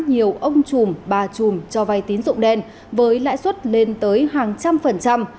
nhiều ông chùm bà chùm cho vay tín dụng đen với lãi suất lên tới hàng trăm phần trăm